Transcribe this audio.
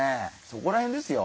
そこら辺ですよ